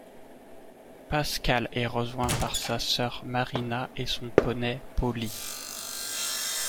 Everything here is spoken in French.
Pascal est rejoint par sa sœur, Marina, et son poney, Poly.